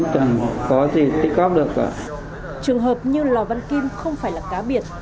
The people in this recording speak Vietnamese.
trường hợp như lò văn kim không phải là cá biệt